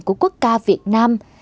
của quốc ca việt nam